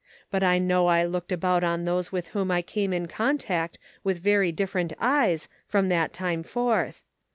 But I know I looked about on those with whom I came in contact with very different eyes from that time forth.